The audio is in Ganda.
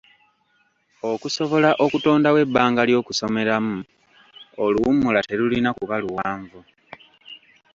Okusobola okutondawo ebbanga ly'okusomeramu oluwummula terulina kuba luwanvu.